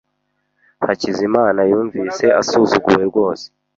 Hakizimana yumvise asuzuguwe rwose.